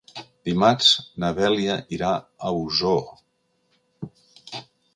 Dimarts na Dèlia irà a Osor.